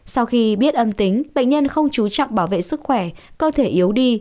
sau khi biết âm tính bệnh nhân không chú trọng bảo vệ sức khỏe cơ thể yếu đi